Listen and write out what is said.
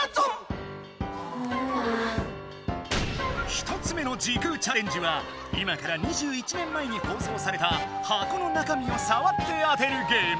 １つ目の時空チャレンジは今から２１年前に放送された箱の中身をさわって当てるゲーム。